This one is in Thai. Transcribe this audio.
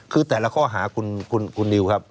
คือแต่ละข้อหาคุณนิวครับ